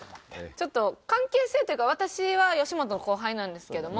ちょっと関係性というか私は吉本の後輩なんですけども。